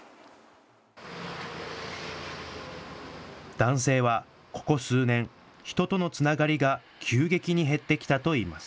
男性は、ここ数年、人とのつながりが急激に減ってきたといいます。